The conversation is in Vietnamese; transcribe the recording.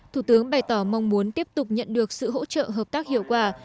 thủ tướng bày tỏ mong muốn tiếp tục nhận được sự hỗ trợ hợp tác hiệu quả